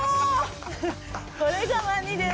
これがワニです。